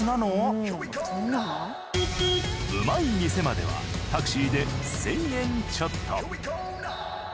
うまい店まではタクシーで１，０００円ちょっと。